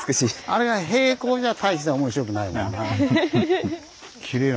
あれが平行じゃ大して面白くないよね。